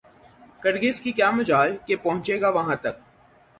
کرگس کی کیا مجال کہ پہنچے گا وہاں تک